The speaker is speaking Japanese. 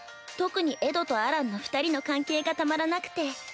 特にエドとアランの２人の関係がたまらなくて。